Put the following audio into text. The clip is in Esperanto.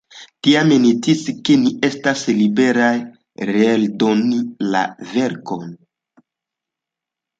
Tiam ni sciis ke ni estas liberaj reeldoni la verkon.